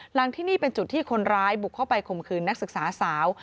หลังที่นี่เป็นจุดที่คนร้ายบุกเข้าไปข่มขืนนักศึกษาสาว